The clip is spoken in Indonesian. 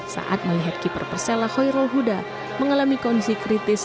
saat melihat keeper persela hoirul huda mengalami kondisi kritis